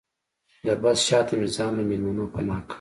د بس شاته مې ځان له مېلمنو پناه کړ.